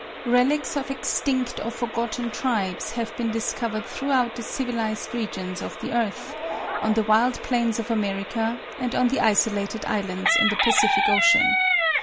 Relics of extinct or forgotten tribes have been discovered throughout the civilised regions of the earth, on the wild plains of America, and on the isolated islands in the Pacific Ocean.